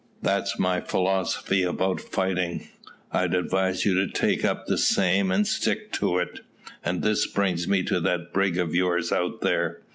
That's my philosophy about fighting. I'd advise you to take up the same and stick to it. And this brings me to that brig of yours out there.